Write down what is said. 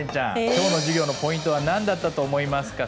今日の授業のポイントは何だったと思いますか？